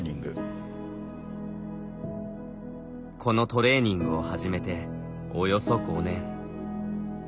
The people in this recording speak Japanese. このトレーニングを始めておよそ５年。